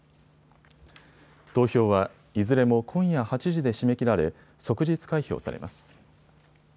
投票は、いずれも今夜８時で締め切られ即日開票されます。